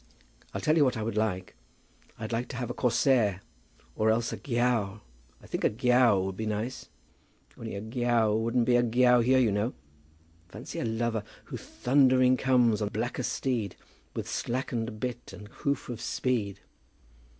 I'll tell you what I would like; I'd like to have a Corsair, or else a Giaour; I think a Giaour would be nicest. Only a Giaour wouldn't be a Giaour here, you know. Fancy a lover 'Who thundering comes on blackest steed, With slackened bit and hoof of speed.'